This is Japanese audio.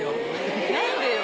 何でよ？